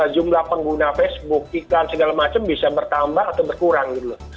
jumlah pengguna facebook iklan segala macam bisa bertambah atau berkurang gitu loh